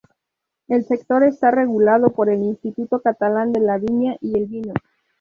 El sector está regulado por el Instituto Catalán de la Viña y el Vino.